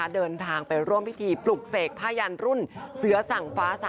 เดินทางไปร่วมพิธีปลุกเสกผ้ายันรุ่นเสือสั่งฟ้า๓